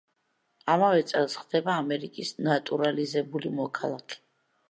ამავე წელს ხდება ამერიკის ნატურალიზებული მოქალაქე.